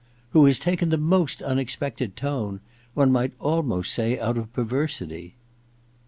*^ Who has taken the most unexpected tone — one might almost say out of perversity.